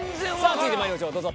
続いてまいりましょうどうぞ。